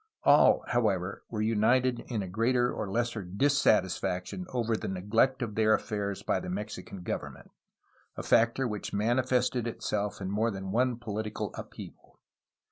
All, how ever, were united in a greater or lesser dissatisfaction over the neglect of their affairs by the Mexican government, a fac tor which manifested itself in more than one poHtical up heaval.